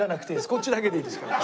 ここだけでいいですから。